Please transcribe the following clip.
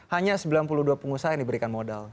hanya sembilan puluh dua pengusaha yang diberikan modal